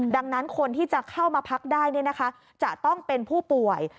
ดังนั้นคนที่จะเข้ามาพักได้จะต้องเป็นผู้ป่วย